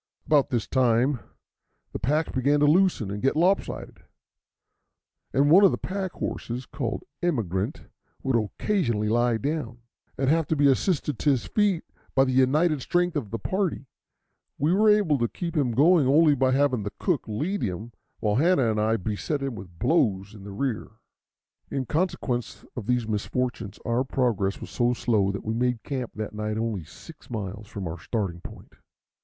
About this time the packs began to loosen and get lopsided, and one of the pack horses, called Emigrant, would occasionally lie down, and have to be assisted to his feet by the united strength of the party. We were able to keep him going only by having the cook lead him while Hanna and I beset him with blows in the rear. In consequence of these misfortunes, our progress was so slow that we made camp that night only six miles from our starting point.